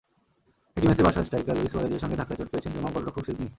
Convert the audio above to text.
একই ম্যাচে Barca striker Luis সুয়ারেজের সঙ্গে ধাক্কায় চোট পেয়েছেন রোমা গোলরক্ষক সেজনি।